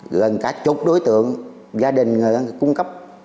rồi cả chục đối tượng gia đình cung cấp